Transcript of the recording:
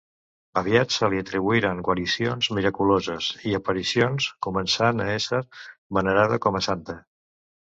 Aviat se li atribuïren guaricions miraculoses i aparicions, començant a ésser venerada com a santa.